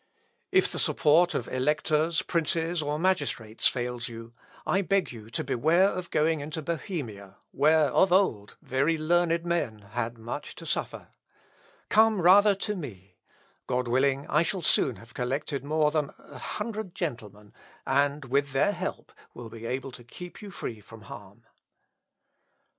If the support of electors, princes, or magistrates fails you, I beg you to beware of going into Bohemia, where, of old, very learned men had much to suffer; come rather to me; God willing, I shall soon have collected more than a hundred gentlemen, and with their help, will be able to keep you free from harm."